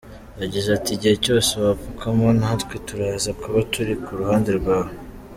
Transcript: Yagize ati "Igihe cyose wapfukamana natwe, turaza kuba turi ku ruhande rwawe,”.